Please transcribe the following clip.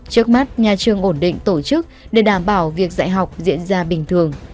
trước mắt nhà trường ổn định tổ chức để đảm bảo việc dạy học diễn ra bình thường